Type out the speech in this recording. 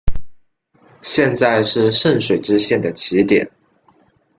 现在是圣水支线的起点。